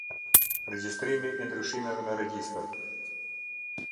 Regjistrimi i ndryshimeve në Regjistër.